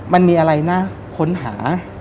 มันมีอะไรน่าค้นหา